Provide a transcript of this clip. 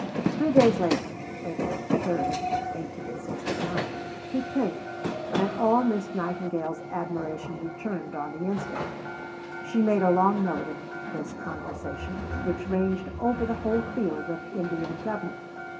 Three days later (April 3, 1869), he came, and all Miss Nightingale's admiration returned on the instant. She made a long note of his conversation, which ranged over the whole field of Indian government.